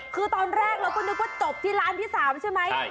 คือตอนแรกเราก็นึกว่าจบที่ร้านที่๓ใช่ไหม